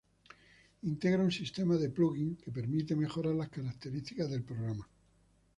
Integra un sistema de "plug-in's" que permite mejorar las características del programa.